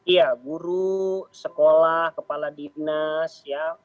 iya guru sekolah kepala dinas ya